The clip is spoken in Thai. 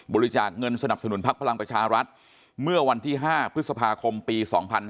บริจาคเงินสนับสนุนพักพลังประชารัฐเมื่อวันที่๕พฤษภาคมปี๒๕๕๙